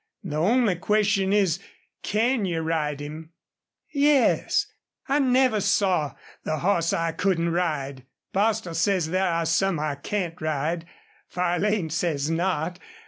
The only question is CAN you ride him?" "Yes. I never saw the horse I couldn't ride. Bostil says there are some I can't ride. Farlane says not.